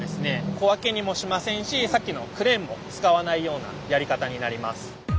小分けにもしませんしさっきのクレーンも使わないようなやり方になります。